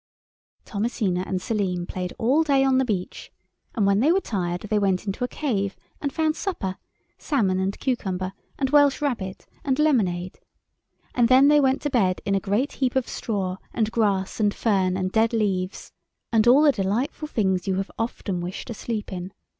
Thomasina and Selim played all day on the beach, and when they were tired then went into a cave, and found supper—salmon and cucumber, and welsh rabbit and lemonade—and then they went to bed in a great heap of straw and grass and fern and dead leaves, and all the delightful things you have often wished to sleep in.